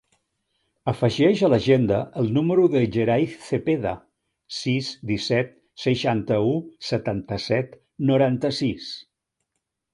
Afegeix a l'agenda el número del Yeray Cepeda: sis, disset, seixanta-u, setanta-set, noranta-sis.